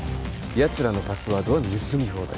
やつらのパスワードは盗み放題